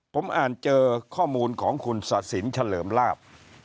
ผมอ่านเจอข้อมูลของคุณศาสินเฉลิมลาบ